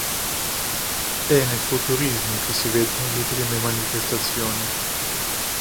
È nel futurismo che si vedono le prime manifestazioni.